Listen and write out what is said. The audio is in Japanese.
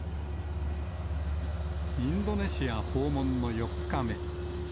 インドネシア訪問の４日目。